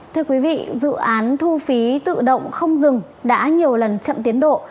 thưa quý vị dự án thu phí tự động không dừng đã nhiều lần chậm tiến độ